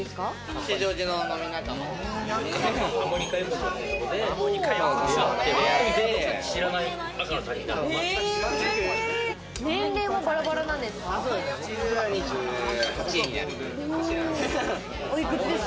吉祥寺の飲み仲間です。